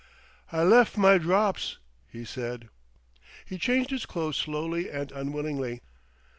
"I lef' my drops," he said. He changed his clothes slowly and unwillingly.